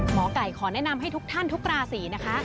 หมอไก่ขอแนะนำให้ทุกท่านทุกราศีนะคะ